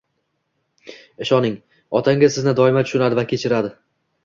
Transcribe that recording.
Ishoning, otangiz sizni doimo tushunadi va kechiradi,.